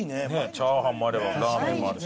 チャーハンもあればラーメンもあるし。